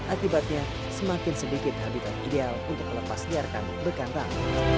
akibatnya semakin sedikit habitat ideal untuk melepasliarkan bekantan